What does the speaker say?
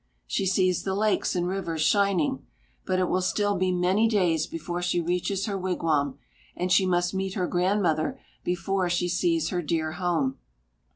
She sees the lakes and rivers shining; but it will still be many days before she reaches her wigwam, and she must meet her grandmother before she sees her dear home.